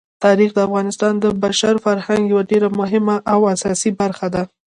تاریخ د افغانستان د بشري فرهنګ یوه ډېره مهمه او اساسي برخه ده.